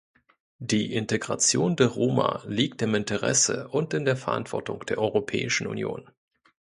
Die Integration der Roma liegt im Interesse und in der Verantwortung der Europäischen Union.